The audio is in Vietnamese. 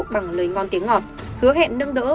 bằng lời ngon tiếng ngọt hứa hẹn nâng đỡ